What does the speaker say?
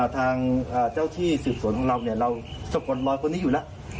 ทางเจ้าที่สืบสวนของเราเนี่ยเราสกลรอยคนนี้อยู่แล้ว